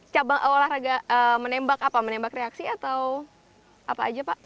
cabang olahraga menembak apa menembak reaksi atau apa aja pak